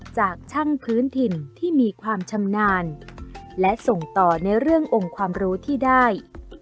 จากช่างพื้นถิ่นที่มีความชำนาญและส่งต่อในเรื่ององค์ความรู้ที่ได้